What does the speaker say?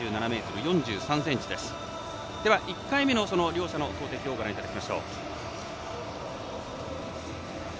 １回目の両者の投てきをご覧いただきます。